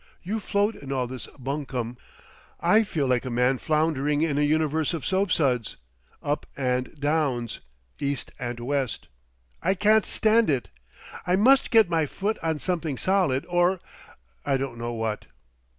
You float in all this bunkum. I feel like a man floundering in a universe of soapsuds, up and downs, east and west. I can't stand it. I must get my foot on something solid or—I don't know what."